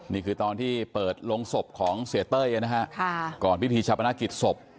นี่คือตอนที่เปิดโรงศพของเศรษฐ์เต้ยนะฮะค่ะก่อนพิธีชาปนาคิดศพ